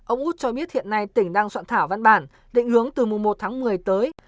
ông út cho biết hiện nay tỉnh đang soạn thảo văn bản định hướng từ mùa một tháng một mươi tới